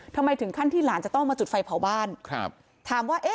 ถึงขั้นที่หลานจะต้องมาจุดไฟเผาบ้านครับถามว่าเอ๊ะ